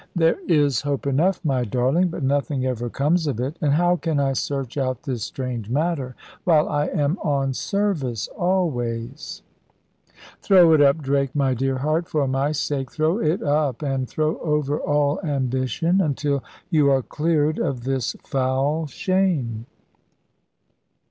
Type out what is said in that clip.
"There is hope enough, my darling; but nothing ever comes of it. And how can I search out this strange matter, while I am on service always?" "Throw it up, Drake; my dear heart, for my sake, throw it up, and throw over all ambition, until you are cleared of this foul shame."